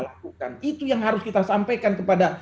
lakukan itu yang harus kita sampaikan kepada